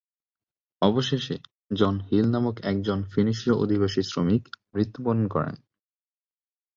অবশেষে, 'John Hill' নামক একজন ফিনিশিয় অভিবাসী শ্রমিক মৃত্যুবরণ করেন।